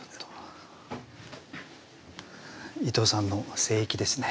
伊藤さんの聖域ですね。